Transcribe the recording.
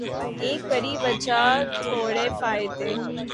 ایک بڑِی وجہ تھوڑے فائدے